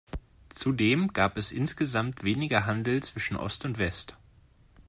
Zudem gab es insgesamt weniger Handel zwischen Ost und West.